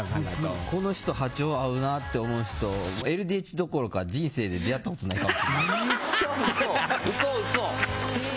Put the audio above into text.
僕、この人波長合うなって思う人ＬＤＨどころか人生で出会ったことないです。